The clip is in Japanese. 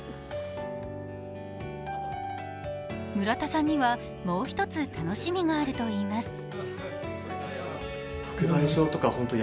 村田さんにはもう一つ楽しみがあるといいます。